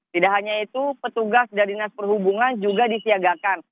tidak hanya itu petugas dari dinas perhubungan juga disiagakan